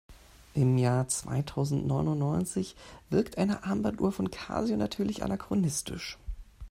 Im Jahr zweitausendneunundneunzig wirkt eine Armbanduhr von Casio natürlich anachronistisch.